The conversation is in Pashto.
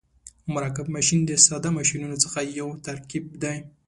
مرکب ماشین د ساده ماشینونو څخه یو ترکیب دی.